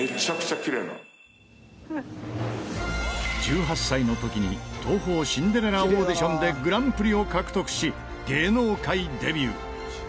１８歳の時に東宝シンデレラオーディションでグランプリを獲得し芸能界デビュー。